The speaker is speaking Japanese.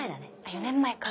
４年前か。